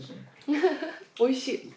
おいしい。